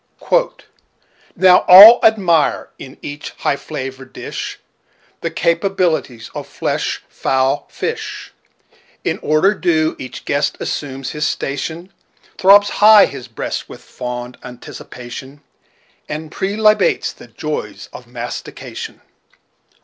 CHAPTER IX. "Now all admire, in each high flavored dish The capabilities of flesh fowl fish; In order due each guest assumes his station, Throbs high his breast with fond anticipation, And prelibates the joys of mastication."